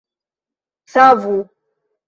Savu!